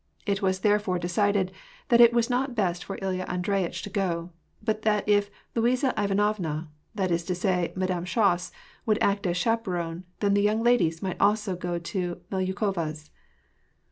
It was therefore decided that it was not best for Ilja Andreyitch to go ; but that if Luiza Ivanovna, that is to say, Madame Schoss, would act as chaperone, then the young ladies might also go to Melyukova's.